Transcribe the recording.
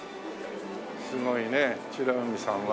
すごいね美ら海さんは。